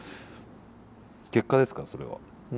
結果ですからそれは。